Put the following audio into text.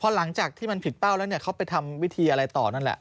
หลังจากที่มันผิดเป้าแล้วเนี่ยเขาไปทำวิธีอะไรต่อนั่นแหละ